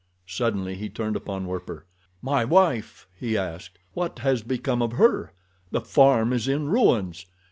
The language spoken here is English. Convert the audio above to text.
Suddenly he turned toward Werper. "My wife?" he asked. "What has become of her? The farm is in ruins.